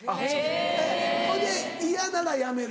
へぇ！ほいで嫌ならやめる。